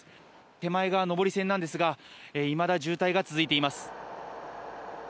手前が上り線なんですがいまだ渋滞が続いています。